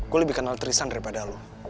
gue lebih kenal trisan daripada lo